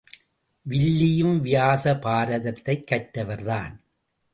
வில்லியும் வியாச பாரதத்தைக் கற்றவர்தான்.